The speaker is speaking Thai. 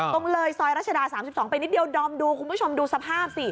ตรงเลยซอยรัชดา๓๒ไปนิดเดียวดอมดูคุณผู้ชมดูสภาพสิ